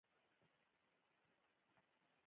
پتنګ د رڼا په شاوخوا راټولیږي